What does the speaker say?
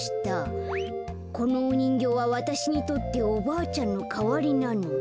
このおにんぎょうはわたしにとっておばあちゃんのかわりなの。